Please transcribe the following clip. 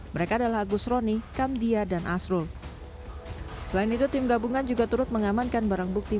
mereka adalah agus roni kamdia dan asrul selain itu tim gabungan juga turut mengamankan barang bukti